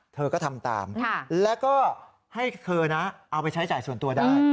เธอก็ทำตามแล้วก็ให้เธอนะเอาไปใช้จ่ายส่วนตัวได้